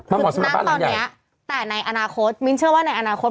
คือณตอนนี้แต่ในอนาคตมิ้นเชื่อว่าในอนาคต